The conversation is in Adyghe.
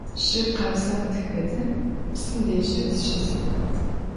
Jı khabzem tıxetın, psım deji tışısın.